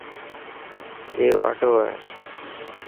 اي واڍو هي.